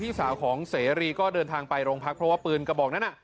พี่สาวของเสรีก็เดินทางไปโรงพักเพราะว่าปืนกระบอกนั้น